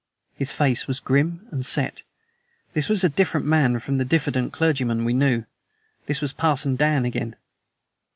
His face was grim and set. This was a different man from the diffident clergyman we knew: this was "Parson Dan" again.